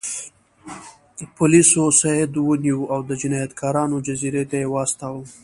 پولیسو سید ونیو او د جنایتکارانو جزیرې ته یې واستاوه.